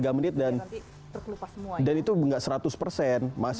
iya dua tiga menit dan nanti terkelupas semuanya